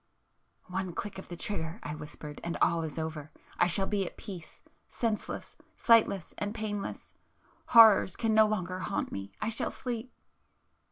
"One click of the trigger—" I whispered—"and all is over! I shall be at peace,—senseless,—sightless and painless. Horrors can no longer haunt me, ... I shall sleep!"